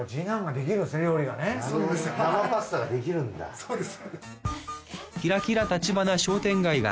そうです。